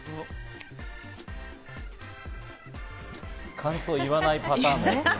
感想を言わないパターン。